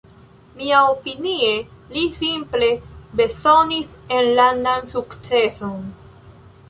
Miaopinie li simple bezonis enlandan sukceson.